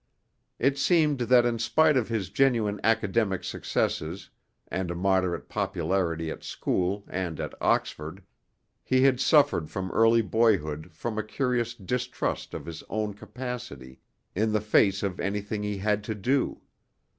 It seemed that in spite of his genuine academic successes and a moderate popularity at school and at Oxford, he had suffered from early boyhood from a curious distrust of his own capacity in the face of anything he had to do.